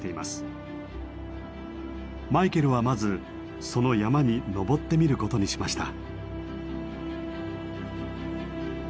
マイケルはまずその山に登ってみることにしました。